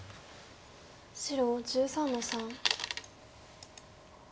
白１３の三。